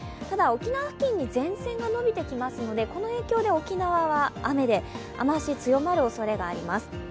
ただ、沖縄付近に前線が延びてきますのでこの影響で沖縄は雨で、雨足が強まるおそれがあります。